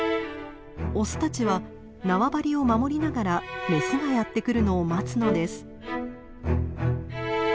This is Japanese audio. オスたちは縄張りを守りながらメスがやって来るのを待つのです。